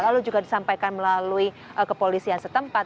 lalu juga disampaikan melalui kepolisian setempat